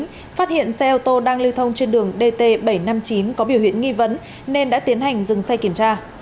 phát hiện xe ô tô đang lưu thông trên đường dt bảy trăm năm mươi chín có biểu hiện nghi vấn nên đã tiến hành dừng xe kiểm tra